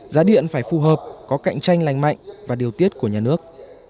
giá điện phải phù hợp có cạnh tranh lành mạnh và điều tiết của nhà nước